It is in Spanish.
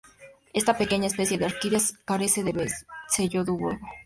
Esta pequeña especie de orquídeas carece de pseudobulbo.